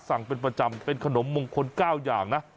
สั่งเป็นประจำเป็นขนมมงคล๙อย่างนะ